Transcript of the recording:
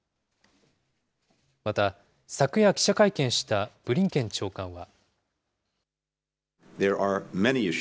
また、昨夜記者会見したブリンケン長官は。